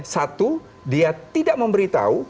satu dia tidak memberitahu